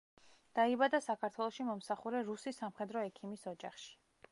დაიბადა საქართველოში მომსახურე რუსი სამხედრო ექიმის ოჯახში.